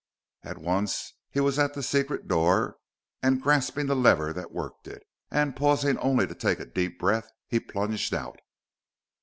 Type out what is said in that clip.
At once he was at the secret door and grasping the lever that worked it; and, pausing only to take a deep breath, he plunged out.